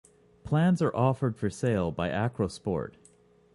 Plans are offered for sale by Acro Sport.